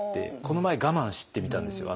この前我慢してみたんですよ。